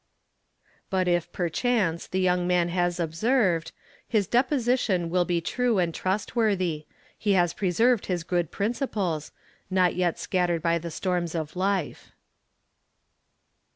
But if perchance the young man has observed, his deposition will be true and trustworthy, he has preserved his good principles, not yet scattered by the storms of life.